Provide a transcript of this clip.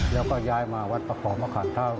แล้วก็ย้ายมาวัดประขอมภาว์แนว